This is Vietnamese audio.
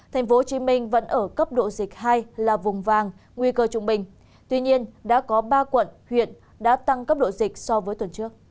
tp hcm vẫn ở cấp độ dịch hai là vùng vàng nguy cơ trung bình tuy nhiên đã có ba quận huyện đã tăng cấp độ dịch so với tuần trước